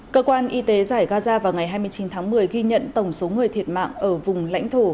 cơ quan y tế giải gaza vào ngày hai mươi chín tháng một mươi ghi nhận tổng số người thiệt mạng ở vùng lãnh thổ